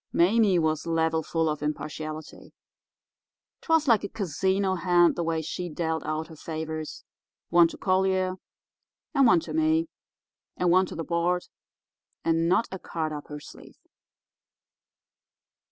Mame was level full of impartiality. 'Twas like a casino hand the way she dealt out her favours—one to Collier and one to me and one to the board, and not a card up her sleeve.